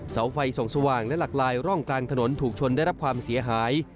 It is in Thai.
เสาไฟส่องสว่างและหลักลายร่องกลางถนนถูกชนได้รับความเสียหาย